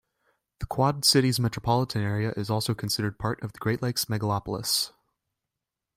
The Quad Cities Metropolitan Area is also considered part of the Great Lakes Megalopolis.